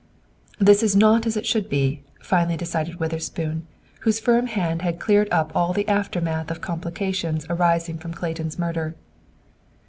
"This is not as it should be," finally decided Witherspoon, whose firm hand had cleared up all the aftermath of complications arising from Clayton's murder.